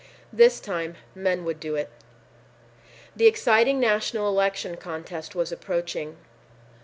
This time, men would do it. The exciting national election contest was approaching.